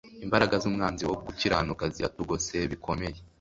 imbaraga z'umwanzi wo gukiranuka ziratugose bikomeye